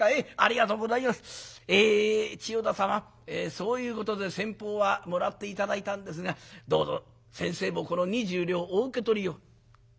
そういうことで先方はもらって頂いたんですがどうぞ先生もこの二十両お受け取りを」。